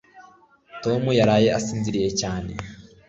Toma yaraye asinziriye cyane.